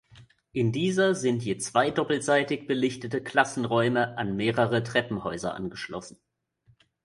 In dieser sind je zwei doppelseitig belichtete Klassenräume an mehrere Treppenhäuser angeschlossen.